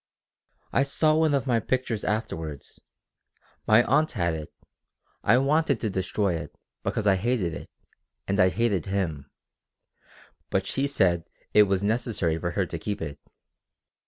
"I saw one of the pictures afterward. My aunt had it. I wanted to destroy it, because I hated it, and I hated him. But she said it was necessary for her to keep it.